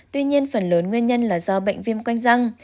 tuy nhiên phần lớn nguyên nhân là do bệnh viêm quanh răng